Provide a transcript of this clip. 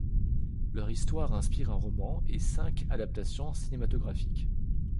Leur histoire inspire un roman et cinq adaptations cinématographiques.